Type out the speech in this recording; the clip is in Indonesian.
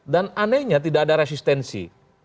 dan anehnya tidak ada resistensi